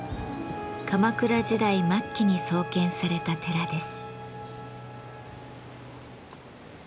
鎌倉時代末期に創建された寺です。